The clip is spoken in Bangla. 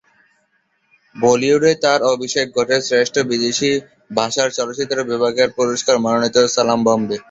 বলিউডে তার অভিষেক ঘটে শ্রেষ্ঠ বিদেশি ভাষার চলচ্চিত্র বিভাগে একাডেমি পুরস্কার মনোনীত "সালাম বম্বে!"